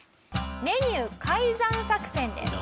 メニュー改ざん作戦です。